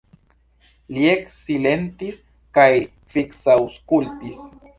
Li eksilentis kaj fiksaŭskultis.